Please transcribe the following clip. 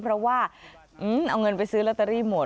เพราะว่าเอาเงินไปซื้อลอตเตอรี่หมด